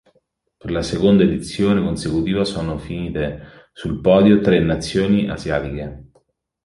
Per la seconda edizione consecutiva sono finite sul podio tre nazioni asiatiche.